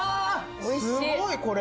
すごいこれ。